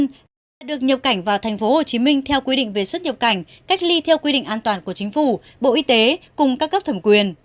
khách quốc tế đã được nhập cảnh vào tp hcm theo quy định về xuất nhập cảnh cách ly theo quy định an toàn của chính phủ bộ y tế cùng các cấp thẩm quyền